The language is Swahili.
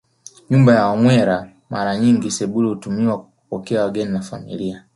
Nyumba ya Wamwera Mara nyingi sebule hutumiwa kwa kupokelea wageni wa familia